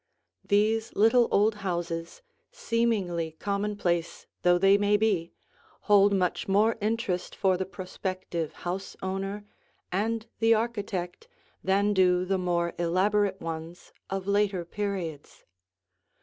These little old houses, seemingly commonplace though they may be, hold much more interest for the prospective house owner and the architect than do the more elaborate ones of later periods.